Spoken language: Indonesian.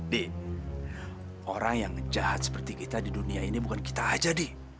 dek orang yang jahat seperti kita di dunia ini bukan kita aja deh